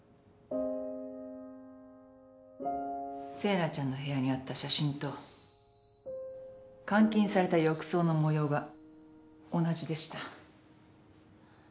星名ちゃんの部屋にあった写真と監禁された浴槽の模様が同じでした。